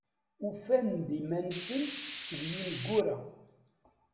Ufan-d iman-nsen seg yineggura.